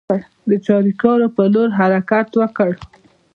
د چاریکار پر لور حرکت وکړ.